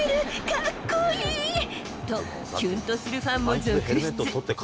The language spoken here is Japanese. かっこいい！と、きゅんとするファンも続出。